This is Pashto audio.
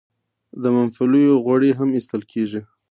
د ممپلیو غوړي هم ایستل کیږي.